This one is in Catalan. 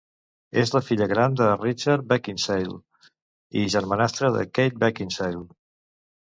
És la filla gran de Richard Beckinsale i germanastra de Kate Beckinsale.